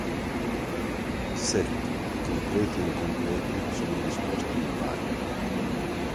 I setti, completi o incompleti, sono disposti in paia.